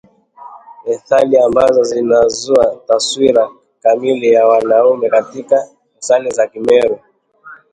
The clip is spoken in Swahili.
methali ambazo zinazua taswira kamili ya mwanamume katika methali za Kimeru